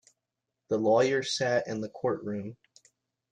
The lawyer sat in the courtroom.